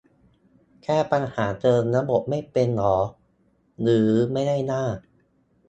แก้ปัญหาเชิงระบบไม่เป็นเหรอ หรือไม่ได้หน้า